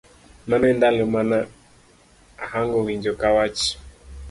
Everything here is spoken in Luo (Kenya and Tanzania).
Mano e ndalo ma ne ahango winjo ka wach